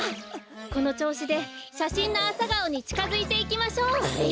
このちょうしでしゃしんのアサガオにちかづいていきましょう。